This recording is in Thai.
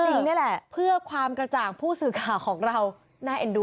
จริงนี่แหละเพื่อความกระจ่างผู้สื่อข่าวของเราน่าเอ็นดู